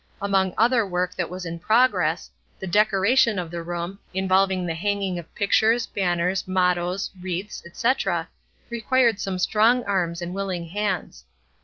Among other work that was in progress, the decoration of the room, involving the hanging of pictures, banners, mottoes, wreaths, etc., required some strong arms and willing hands.